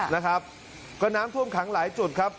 นะครับก็น้ำท่วมขังหลายจุดครับ